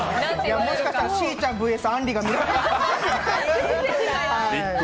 もしかしたらしーちゃんＶＳあんりが見られるかも。